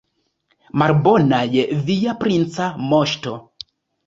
Malbonaj, via princa moŝto!